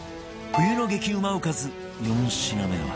冬の激うまおかず４品目は